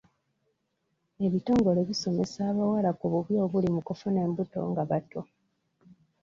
Ebitongole bisomesa abawala ku bubi obuli mu kufuna embuto nga bato.